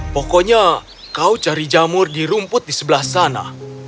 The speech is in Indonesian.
pokoknya kau cari jamur di rumput di sebelah sana